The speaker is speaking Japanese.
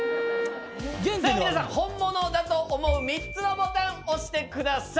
さあ皆さん本物だと思う３つのボタン押してください！